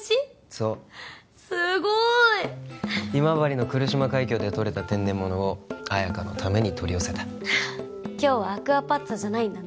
そうすごーい今治の来島海峡でとれた天然ものを綾華のために取り寄せた今日はアクアパッツァじゃないんだね